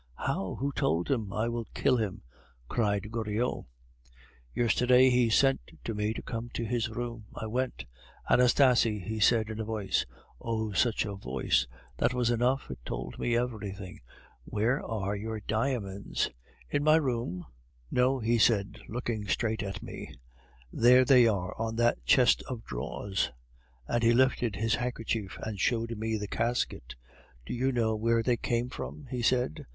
"How? Who told him? I will kill him," cried Goriot. "Yesterday he sent to tell me to come to his room. I went. ... 'Anastasie,' he said in a voice oh! such a voice; that was enough, it told me everything 'where are your diamonds?' 'In my room ' 'No,' he said, looking straight at me, 'there they are on that chest of drawers ' and he lifted his handkerchief and showed me the casket. 'Do you know where they came from?' he said.